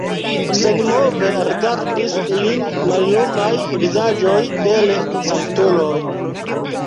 Senmove rigardis ilin mallumaj vizaĝoj de l' sanktuloj.